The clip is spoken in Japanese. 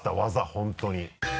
本当に。